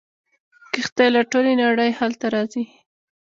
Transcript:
کښتۍ له ټولې نړۍ هلته راځي.